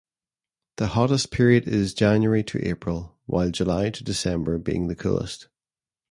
The hottest period is January to April while July to December being the coolest.